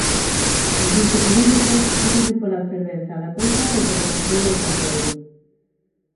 En quince quilómetros pásase pola fervenza da Toxa e polo mosteiro de Carboeiro.